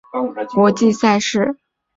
汤普森也曾代表过加拿大参与国际赛事。